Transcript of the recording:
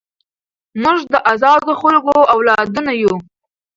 موږ د ازادو خلکو اولادونه یو.